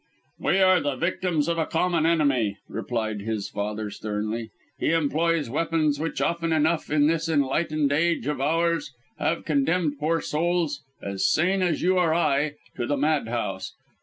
"We are the victims of a common enemy," replied his father sternly. "He employs weapons which, often enough, in this enlightened age of ours, have condemned poor souls, as sane as you or I, to the madhouse!